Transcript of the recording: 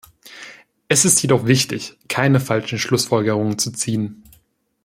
Es ist jedoch wichtig, keine falschen Schlussfolgerungen zu ziehen.